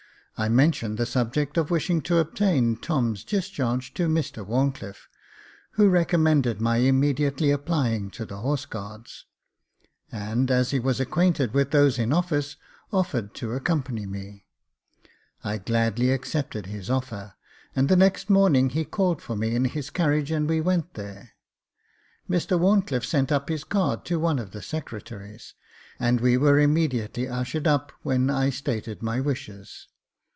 I mentioned the subject of wishing to obtain Tom's discharge to Mr Wharncliffe, who recommended my immediately applying to the Horse Guards ; and, as he was acquainted with those in office, offered to accompany me. I gladly 404 Jacob Faithful accepted his offer ; and the next morning he called for me in his carriage, and we went there. Mr Wharncliffe sent up his card to one of the secretaries, and we were im mediately ushered up, when I stated my wishes.